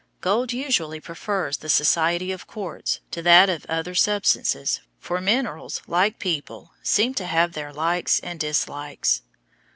Gold usually prefers the society of quartz to that of other substances, for minerals, like people, seem to have their likes and dislikes.